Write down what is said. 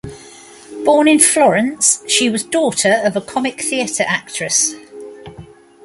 Born in Florence, she was daughter of a comic theatre actress.